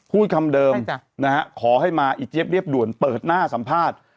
พูดคำเดิมนะฮะขอให้มาอีเจี๊ยเรียบด่วนเปิดหน้าสัมภาษณ์